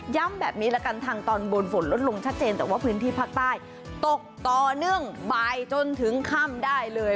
แบบนี้ละกันทางตอนบนฝนลดลงชัดเจนแต่ว่าพื้นที่ภาคใต้ตกต่อเนื่องบ่ายจนถึงค่ำได้เลย